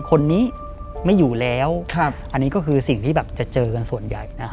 คนนี้ไม่อยู่แล้วอันนี้ก็คือสิ่งที่แบบจะเจอกันส่วนใหญ่